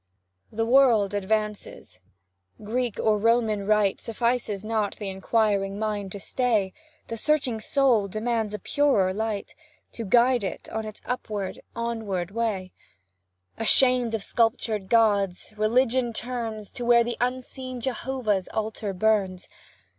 The world advances; Greek or Roman rite Suffices not the inquiring mind to stay; The searching soul demands a purer light To guide it on its upward, onward way; Ashamed of sculptured gods, Religion turns To where the unseen Jehovah's altar burns.